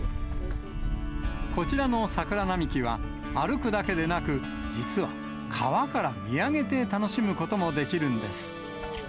こちらの桜並木は、歩くだけでなく、実は、川から見上げて楽しむこともできるんです。